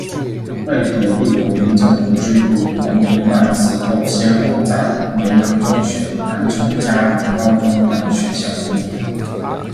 为躲避国民政府追捕，黄平万此后先后在绵阳中学、南充嘉陵高中等学校工作。